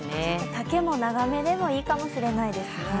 丈も長めでもいいかもしれないですね。